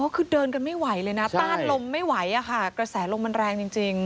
คือเดินกันไม่ไหวเลยนะต้านลมไม่ไหวกระแสลมมันแรงจริง